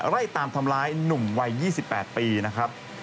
ไล่ตามทำร้ายหนุ่มวัย๒๘ปีนะครับ